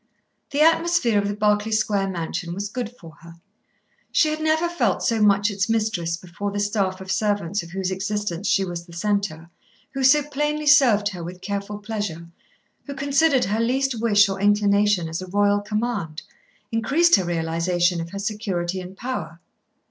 The atmosphere of the Berkeley Square mansion was good for her. She had never felt so much its mistress before the staff of servants of whose existence she was the centre, who so plainly served her with careful pleasure, who considered her least wish or inclination as a royal command, increased her realisation of her security and power.